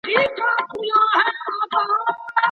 هوښيارانو د جبري نکاح ضررونه په سمه توګه وسنجول.